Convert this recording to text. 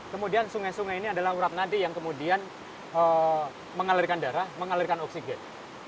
kemudian sungai sungai ini adalah urap nadi yang kemudian mengalirkan darah mengalirkan oksigen